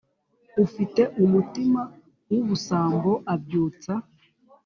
ufite umutima wubusambo abyutsa